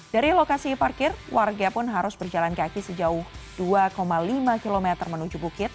dari lokasi parkir warga pun harus berjalan kaki sejauh dua lima km menuju bukit